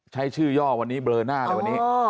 ใช้ชื่อย่อวันนี้เบลอหน้าเลยวันนี้